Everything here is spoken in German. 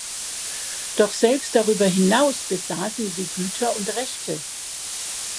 Doch selbst darüber hinaus besassen sie Güter und Rechte.